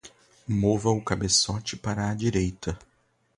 Mova o cabeçote para a direita